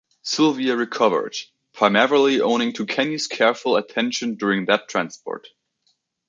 Sylvia recovered, primarily owing to Kenny's careful attention during that transport.